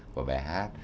của bài hát